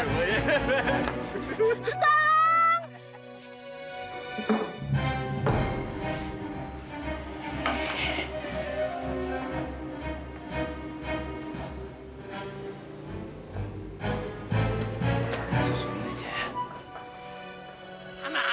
gak usah pake uang